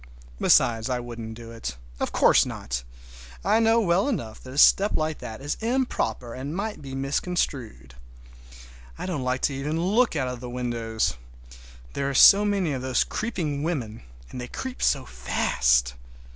Besides I wouldn't do it. Of course not. I know well enough that a step like that is improper and might be misconstrued. I don't like to look out of the windows even—there are so many of those creeping women, and they creep so fast.